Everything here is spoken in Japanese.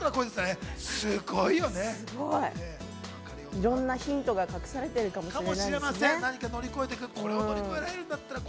いろんなヒントが隠されているかもしれないですよね。